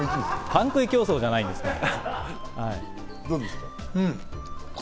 パン食い競争じゃないんですから。